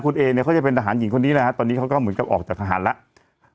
คุณเอเนี่ยเขาจะเป็นทหารหญิงคนนี้นะฮะตอนนี้เขาก็เหมือนกับออกจากทหารแล้ว